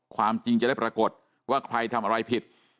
ความจริงจะได้ปรากฏว่าใครทำอะไรผิด